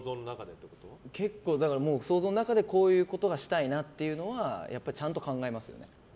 想像の中でこういうことがしたいなっていうのはちゃんと考えますよね。